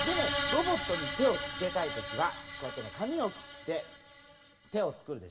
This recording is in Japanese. ロボットにてをつけたいときはこうやってねかみをきっててをつくるでしょ。